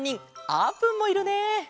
あーぷんもいるね！